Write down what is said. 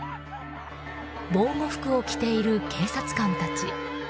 防護服を着ている警察官たち。